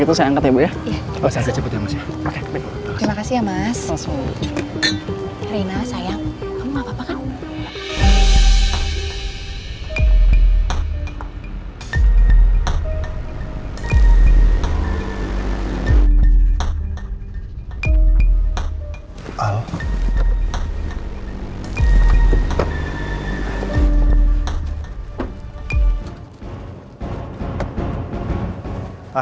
itu saya angkat ya bu ya